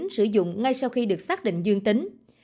sử dụng ngay sau khi được xác định dương tính